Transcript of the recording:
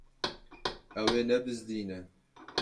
Ew ê nebizdîne.